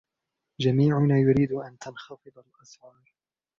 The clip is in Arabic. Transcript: جميعنا يريد أن تنخفض الأسعار.